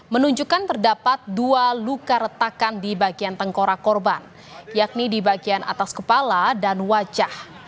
menunjukkan terdapat dua luka retakan di bagian tengkorak korban yakni di bagian atas kepala dan wajah